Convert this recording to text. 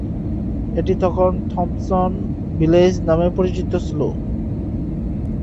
এটি তখন "Thompson village" নামে পরিচিত ছিল।